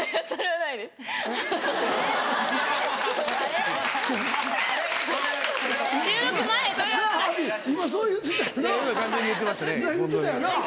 なぁ言うてたよな。